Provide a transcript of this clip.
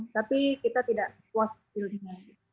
tapi kita tidak puas skillnya